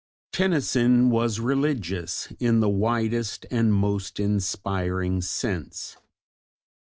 Tennyson was religious in the widest and most inspiring sense.